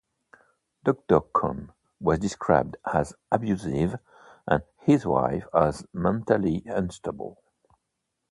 Doctor Conn was described as abusive and his wife as mentally unstable.